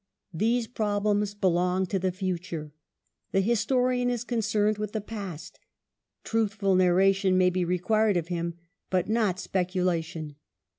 These problems belong to the future ; the historian is concerned with the past ; truthful naiTation may be required of him, but not speculation.